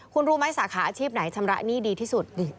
คุณรู้ไหมสาขาอาชีพไหนชำระหนี้ดีที่สุด